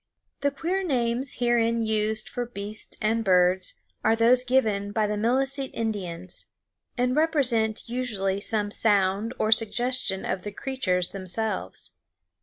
_ _The queer names herein used for beasts and birds are those given by the Milicete Indians, and represent usually some sound or suggestion of the creatures themselves.